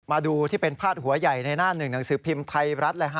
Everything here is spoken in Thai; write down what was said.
มาดูที่เป็นพาดหัวใหญ่ในหน้าหนึ่งหนังสือพิมพ์ไทยรัฐ